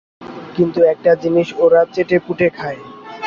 কিন্তু একটা জিনিস ওরা চেটেপুটে খায়।